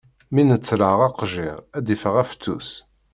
Mi neṭleɣ aqejjir, ad d-iffeɣ ufettus.